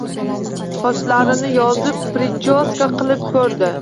Sochlarini yozib «prichyoska» qilib koʼrdi.